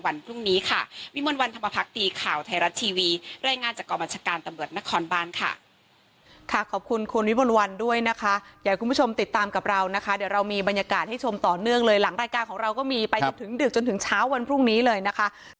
พรุ่งนี้ค่ะวิมวลวันธรรมพักดีข่าวไทยรัฐทีวีรายงานจากกองบัญชาการตำรวจนครบานค่ะขอบคุณคุณวิมวลวันด้วยนะคะอยากคุณผู้ชมติดตามกับเรานะคะเดี๋ยวเรามีบรรยากาศให้ชมต่อเนื่องเลยหลังรายการของเราก็มีไปจนถึงดึกจนถึงเช้าวันพรุ่งนี้เลยนะคะ